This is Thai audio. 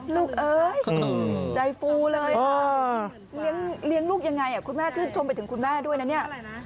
เอ้ยใจฟูเลยค่ะเลี้ยงลูกยังไงคุณแม่ชื่นชมไปถึงคุณแม่ด้วยนะเนี่ย